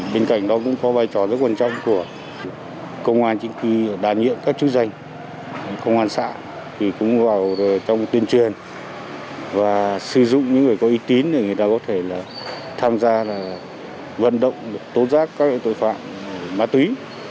bên cạnh đó cũng có vai trò rất quan trọng của công an chính quyền đàn nhiệm các chức danh công an xã cũng vào trong tuyên truyền và sử dụng những người có ý tín để người ta có thể tham gia vận động tốt giác các loại tội phạm ma túy